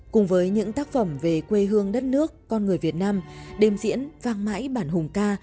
cùng với những tác phẩm về quê hương đất nước con người việt nam đêm diễn vang mãi bản hùng ca